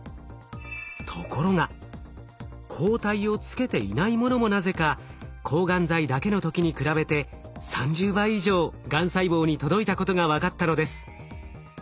ところが抗体をつけていないものもなぜか抗がん剤だけの時に比べて３０倍以上がん細胞に届いたことが分かったのです。